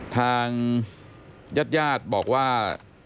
ทางยาดบอกว่า